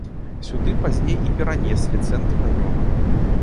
Сюды пазней і перанеслі цэнтр раёна.